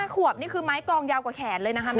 ขวบนี่คือไม้กรองยาวกว่าแขนเลยนะคะ